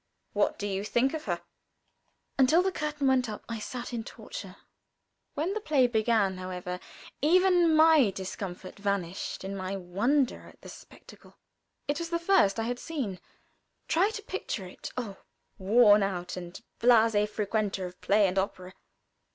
What do you think of her?'" Until the curtain went up, I sat in torture. When the play began, however, even my discomfort vanished in my wonder at the spectacle. It was the first I had seen. Try to picture it, oh, worn out and blasé frequenter of play and opera!